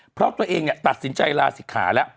เพราะตัวเองตัดสินใจลาศิกขาแล้ว